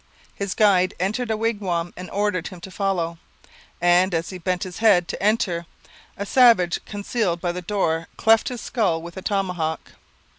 His guide entered a wigwam and ordered him to follow; and, as he bent his head to enter, a savage concealed by the door cleft his skull with a tomahawk.